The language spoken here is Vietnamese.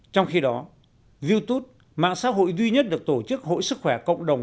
trong khi đó youtube mạng xã hội duy nhất được tổ chức hội sức khỏe cộng đồng